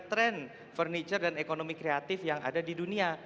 trend furniture dan ekonomi kreatif yang ada di dunia